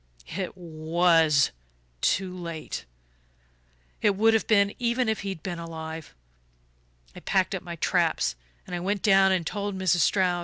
"It WAS too late it would have been, even if he'd been alive. I packed up my traps, and went down and told Mrs. Stroud.